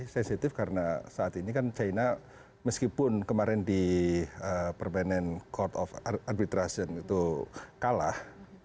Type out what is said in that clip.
sensitif karena saat ini kan china meskipun kemarin di perbanon court of adbitration itu kalah